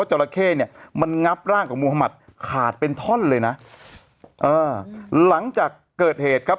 จราเข้เนี่ยมันงับร่างของมุธมัติขาดเป็นท่อนเลยนะเออหลังจากเกิดเหตุครับ